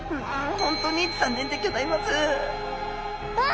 本当に残念でギョざいますあっ！